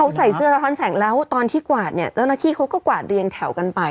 เขาใส่เสื้อสะท้อนแสงแล้วตอนที่กวาดเนี่ยเจ้าหน้าที่เขาก็กวาดเรียงแถวกันไป